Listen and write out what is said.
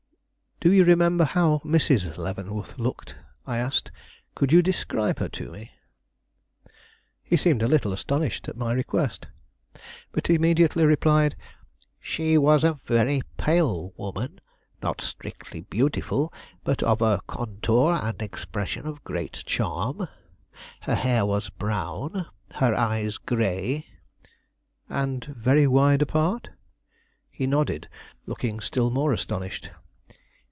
"Do you remember how Mrs. Leavenworth looked?" I asked. "Could you describe her to me?" He seemed a little astonished at my request, but immediately replied: "She was a very pale woman; not strictly beautiful, but of a contour and expression of great charm. Her hair was brown, her eyes gray " "And very wide apart?" He nodded, looking still more astonished.